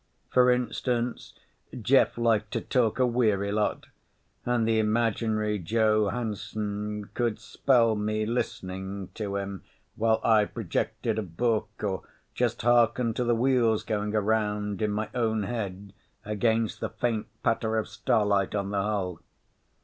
For instance, Jeff liked to talk a weary lot ... and the imaginary Joe Hansen could spell me listening to him, while I projected a book or just harkened to the wheels going around in my own head against the faint patter of starlight on the hull.